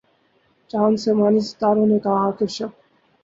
چاند سے ماند ستاروں نے کہا آخر شب